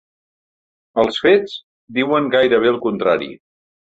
Els fets diuen gairebé el contrari.